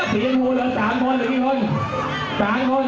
ชีวิตดีจะต้องมีมะเขือน